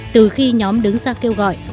từ khi nhóm đứng ra kêu gọi